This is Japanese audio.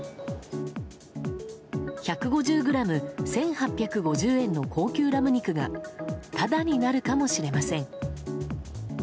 １５０ｇ、１８５０円の高級ラム肉がタダになるかもしれません。